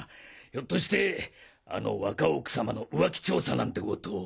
ひょっとしてあの若奥様の浮気調査なんて事を。